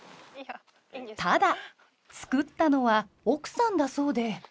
ただ作ったのは奥さんだそうで。